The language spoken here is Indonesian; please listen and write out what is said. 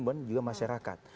bukan juga masyarakat